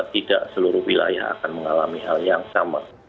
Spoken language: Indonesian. tidak seluruh wilayah akan mengalami hal yang sama